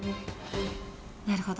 なるほど。